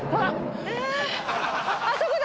あそこだ！